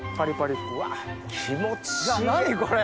何これ。